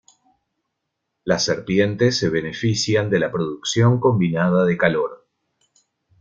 Las serpientes se benefician de la producción combinada de calor.